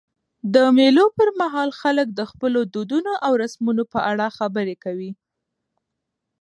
د مېلو پر مهال خلک د خپلو دودونو او رسمونو په اړه خبري کوي.